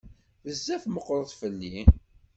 Bezzaf meqqret fell-i.